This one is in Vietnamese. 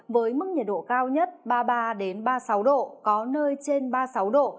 với mức nhiệt độ cao nhất ba mươi ba ba mươi sáu độ có nơi trên ba mươi sáu độ